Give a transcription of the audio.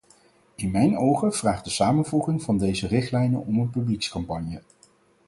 In mijn ogen vraagt de samenvoeging van deze richtlijnen om een publiekscampagne.